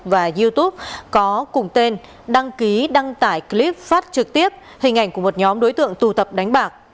và youtube có cùng tên đăng ký đăng tải clip phát trực tiếp hình ảnh của một nhóm đối tượng tụ tập đánh bạc